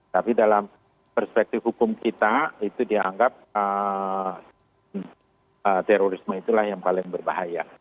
tapi dalam perspektif hukum kita itu dianggap terorisme itulah yang paling berbahaya